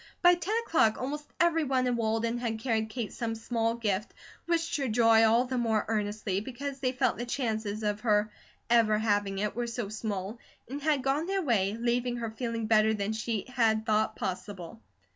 By ten o'clock almost everyone in Walden had carried Kate some small gift, wished her joy all the more earnestly, because they felt the chances of her ever having it were so small, and had gone their way, leaving her feeling better than she had thought possible.